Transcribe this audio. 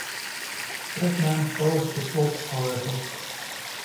Batman foils the plot, however.